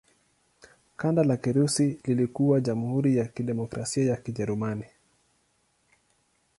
Kanda la Kirusi lilikuwa Jamhuri ya Kidemokrasia ya Kijerumani.